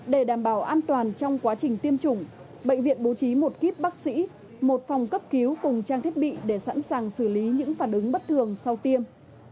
để đảm bảo an toàn trong quá trình tiêm chủng bệnh viện bố trí một kíp bác sĩ một phòng cấp cứu cùng trang thiết bị để sẵn sàng xử lý những phản ứng bất thường sau tiêm